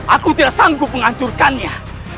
aku tidak sanggup menghancurkannya